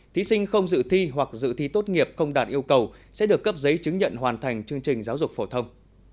thí sinh không dự thi hoặc dự thi tốt nghiệp không đạt yêu cầu sẽ được cấp giấy chứng nhận hoàn thành chương trình giáo dục phổ thông